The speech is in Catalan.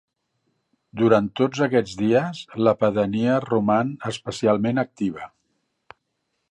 Durant tots aquests dies, la pedania roman especialment activa.